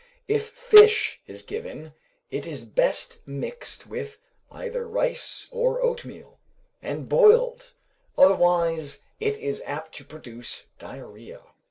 If fish is given it is best mixed with either rice or oatmeal, and boiled, otherwise it is apt to produce diarrhoea.